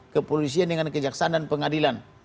kepolisian dengan kejaksaan dan pengadilan